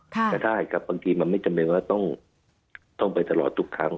ก็ได้ครับบางทีมันไม่จำเป็นว่าต้องไปตลอดทุกครั้ง